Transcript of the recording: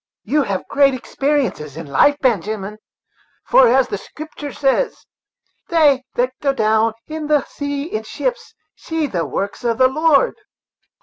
"You have had great experiences in life, Benjamin; for, as the Scripter says, 'They that go down to the sea in ships see the works of the Lord.'"